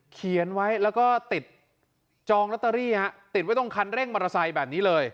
เขียนไว้แล้วก็ติดจองลอตเตอรี่ฮะติดไว้ตรงคันเร่งมอเตอร์ไซค์แบบนี้เลย